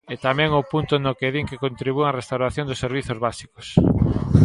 E tamén o punto no que din que contribúan á restauración dos servizos básicos.